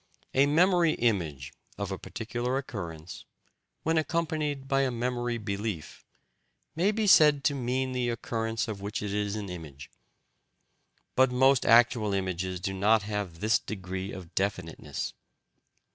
A memory image of a particular occurrence, when accompanied by a memory belief, may be said to mean the occurrence of which it is an image. But most actual images do not have this degree of definiteness.